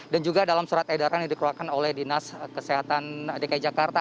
dan juga dalam surat edaran yang dikeluarkan oleh dinas kesehatan dki jakarta